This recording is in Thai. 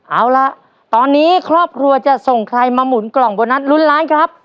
เอาล่ะตอนนี้ครอบครัวจะส่งใครมาหมุนกล่องโบนัสลุ้นล้านครับ